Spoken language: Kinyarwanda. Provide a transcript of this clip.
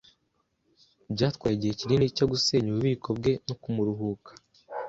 Byatwaye igihe kinini cyo gusenya ububiko bwe no kumuruhuka.